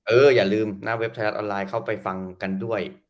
อย่าลืมหน้าเว็บไทยรัฐออนไลน์เข้าไปฟังกันด้วย